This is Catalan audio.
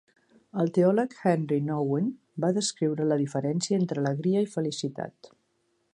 El teòleg Henri Nouwen va descriure la diferència entre alegria i felicitat.